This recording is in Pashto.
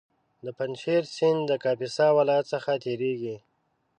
د پنجشېر سیند د کاپیسا ولایت څخه تېرېږي